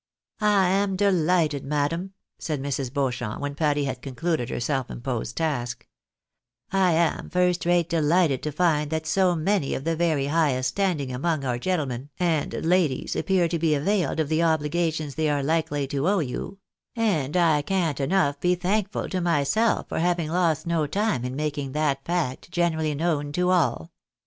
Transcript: " I am delighted, madam," said Mrs. Beauchamp, when Patty had concluded her self imposed task, " I am first rate delighted to find that so many of the very highest standing among our gentle men and ladies appear to be availed of the obligations they are likely to owe you ; and I can't enough be thankful to myself for having lost no time in making that fact generally known to all."